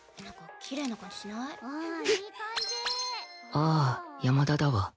ああ山田だわ